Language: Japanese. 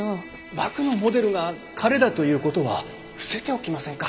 バクのモデルが彼だという事は伏せておきませんか？